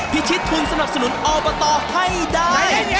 พิชิตทุนสำหรับสนุนออลประตอให้ได้